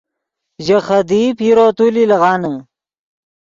ژے خدیئی پیرو تولی لیغانے